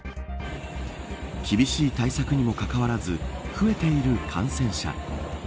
厳しい対策にもかかわらず増えている感染者。